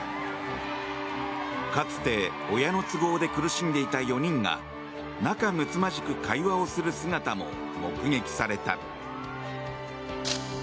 かつて親の都合で苦しんでいた４人が仲むつまじく会話をする姿も目撃された。